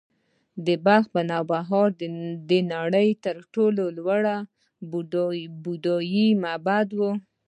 د بلخ نوبهار د نړۍ تر ټولو لوی بودايي معبد و